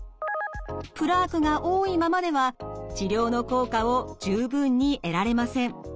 プラークが多いままでは治療の効果を十分に得られません。